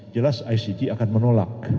jelas icg akan menolak